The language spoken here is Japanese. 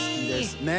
ねえ！